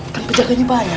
kan penjaganya banyak